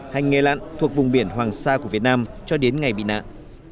hành nghề lặn thuộc vùng biển hoàng sa của việt nam cho đến ngày bị nạn